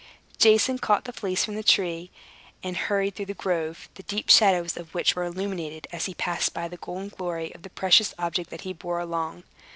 Jason caught the fleece from the tree, and hurried through the grove, the deep shadows of which were illuminated as he passed by the golden glory of the precious object that he bore along.